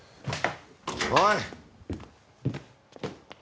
おい！